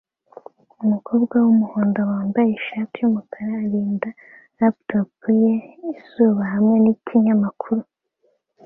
Umukobwa wumuhondo wambaye ishati yumukara arinda laptop ye izuba hamwe nikinyamakuru